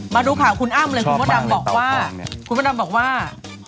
มาดูข่าวคุณอ้ำเลยคุณมดดำบอกว่าคุณมดดำบอกว่า